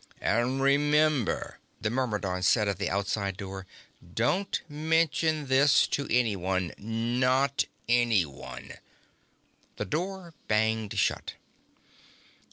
"And remember," the Myrmidon said, at the outside door, "don't mention this to anyone. Not anyone!" The door banged shut.